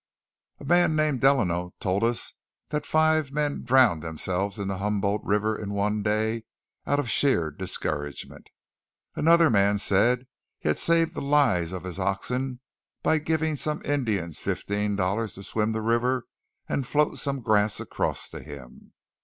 A man named Delano told us that five men drowned themselves in the Humboldt River in one day out of sheer discouragement. Another man said he had saved the lives of his oxen by giving some Indians fifteen dollars to swim the river and float some grass across to him.